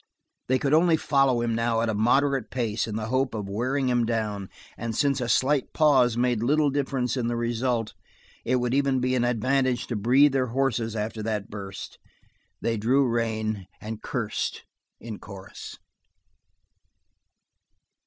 They could only follow him now at a moderate pace in the hope of wearing him down, and since a slight pause made little difference in the result it would even be an advantage to breathe their horses after that burst, they drew rein and cursed in chorus.